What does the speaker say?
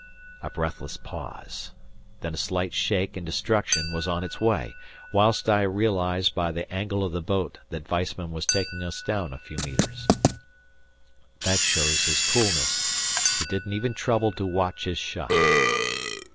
A breathless pause, then a slight shake and destruction was on its way, whilst I realized by the angle of the boat that Weissman was taking us down a few metres. That shows his coolness, he didn't even trouble to watch his shot.